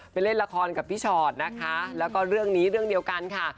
เล่นละครกับพี่ชอตนะคะแล้วก็เรื่องนี้เรื่องเดียวกันค่ะ